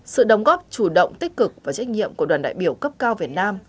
sự đóng góp chủ động tích cực và trách nhiệm của đoàn đại biểu cấp cao việt nam